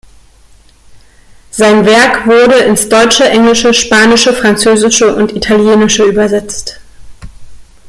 Sein Werk wurde ins Deutsche, Englische, Spanische, Französische und Italienische übersetzt.